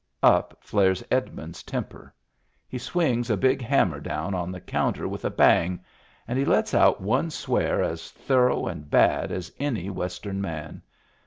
Up flares Edmund's temper. He swings a big hammer down on the counter with a bang, and he lets out one swear as thorough and bad as any Western man.